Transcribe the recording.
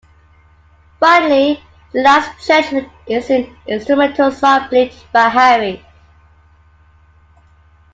Finally, "The Last Judgement" is an instrumental song played by Harry.